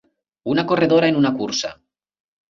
Una corredora en una cursa